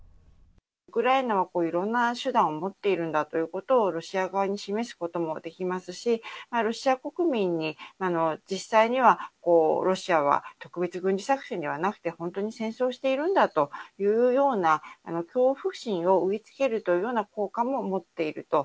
ウクライナはいろんな手段を持っているんだということをロシア側に示すこともできますし、ロシア国民に、実際にはロシアは特別軍事作戦ではなくて、本当に戦争しているんだというような恐怖心を植えつけるというような効果も持っていると。